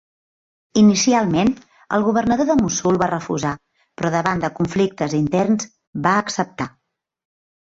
Inicialment el governador de Mossul va refusar, però davant de conflictes interns va acceptar.